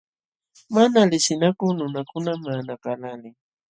Mana liqsinakuq nunakunam maqanakaqlaalin.